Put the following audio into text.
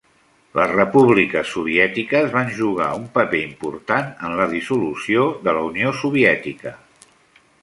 Les repúbliques soviètiques van jugar un paper important en la dissolució de la Unió Soviètica.